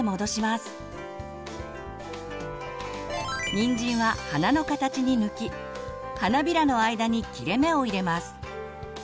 にんじんは花の形に抜き花びらの間に切れ目を入れます。